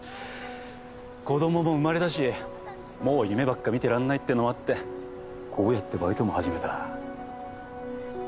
子供も生まれたしもう夢ばっか見てらんないってのもあってこうやってバイトも始めた。